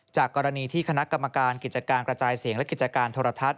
จากกรณีที่คณะกรรมการกิจการกระจายเสียงและกิจการโทรทัศน